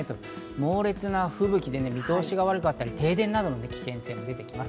猛烈な吹雪で見通しが悪かったり、停電などの危険性も出てきます。